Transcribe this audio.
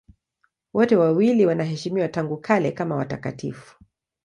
Wote wawili wanaheshimiwa tangu kale kama watakatifu.